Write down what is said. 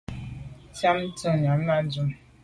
Nyam tà yàme à dum.